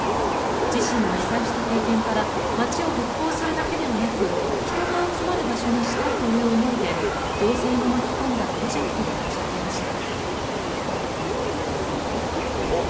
自身も被災した経験から町を復興するだけではなく人が集まる場所にしたいという思いで行政も巻き込んだプロジェクトを立ち上げました。